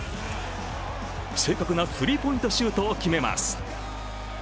正確なスリーポイントシュートを決めます。